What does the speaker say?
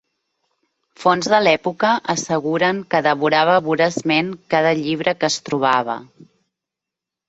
Fonts de l'època asseguren que devorava voraçment cada llibre que es trobava.